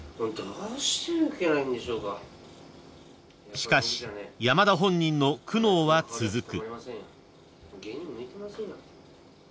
［しかし山田本人の苦悩は続く］